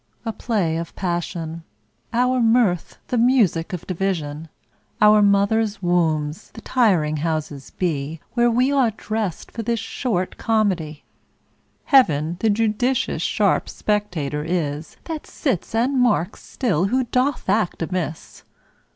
A play of passion, Our mirth the music of division, Our mother's wombs the tiring houses be, Where we are dressed for this short comedy. Heaven the judicious sharp spectator is, That sits and marks still who doth act amiss.